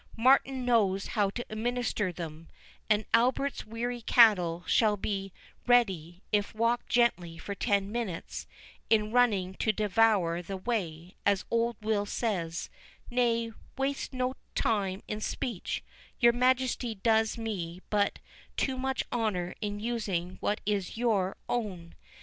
Martin knows how to administer them; and Albert's weary cattle shall be ready, if walked gently for ten minutes, in running to devour the way, as old Will says—nay, waste not time in speech, your Majesty does me but too much honour in using what is your own.